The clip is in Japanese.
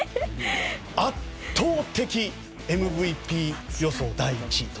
圧倒的ＭＶＰ予想第１位と。